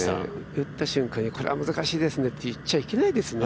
打った瞬間にこれは難しいねと言っちゃいけないですね。